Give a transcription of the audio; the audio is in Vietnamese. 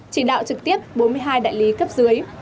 chỉ đạo trực tiếp bốn mươi hai đại lý cấp dưới